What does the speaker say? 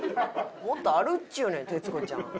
もっとあるっちゅうねん徹子ちゃん。